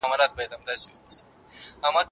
پر کړنو شک کول طبيعي دی.